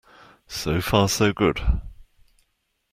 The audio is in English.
So far so good.